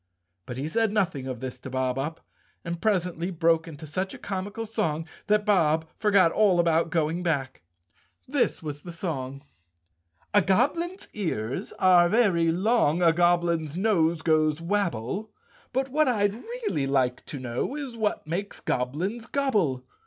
But he said nothing of this to Bob Up, and presently broke into such a 231 The Cowardly Lion of Oz comical song Bob forgot all about going back. This was the song: " A goblin's ears are very long, A goblin's nose goes wabble, But what I'd really like to know Is what makes goblins gobble?